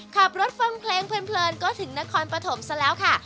ขับรถฟังเพลงเพลินก็ถึงนครปฐมซะแล้วค่ะ